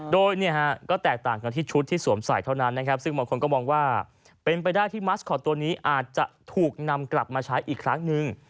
โดยก็แตกต่างกันที่ชุดที่สวมใส่เท่านั้นนะครับซึ่งบางคนก็มองว่าเป็นไปได้ที่มัสคอตตัวนี้อาจจะถูกนำกลับมาใช้อีกครั้งหนึ่ง